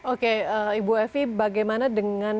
oke ibu evi bagaimana dengan